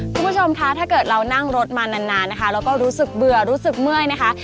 คุณผู้ชมคะถ้าเกิดเรานั่งรถมานานนะคะเราก็รู้สึกเบื่อรู้สึกเมื่อยนะคะ